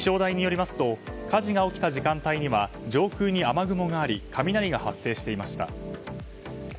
気象台によりますと火事が起きた時間帯には上空に雨雲があり雷が発生していました。